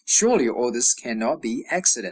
Surely all this cannot be accident!